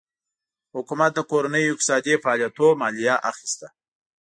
حکومت له کورنیو اقتصادي فعالیتونو مالیه اخیسته.